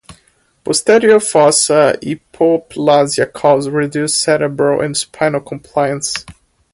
Posterior fossa hypoplasia causes reduced cerebral and spinal compliance.